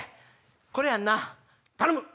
これやんな頼む！